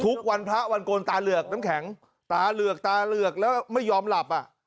ทุกวันพระวันโกนตาเหลือกน้ำแข็งตาเหลือกตาเหลือกแล้วไม่ยอมหลับอ่ะ